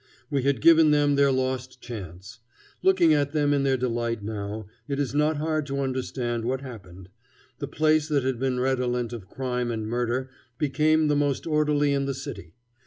We had given them their lost chance. Looking at them in their delight now, it is not hard to understand what happened: the place that had been redolent of crime and murder became the most orderly in the city.